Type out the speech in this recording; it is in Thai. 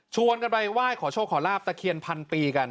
กันไปไหว้ขอโชคขอลาบตะเคียนพันปีกัน